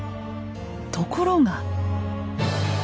ところが。